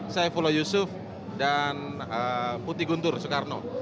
saifullah yusuf dan putih guntur soekarno